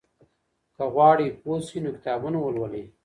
که غواړئ پوه سئ نو کتابونه ولولئ.